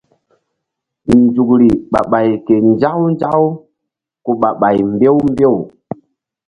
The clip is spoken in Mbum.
Nzukri ɓah ɓay ke nzaku nzaku ku ɓah mbew mbew.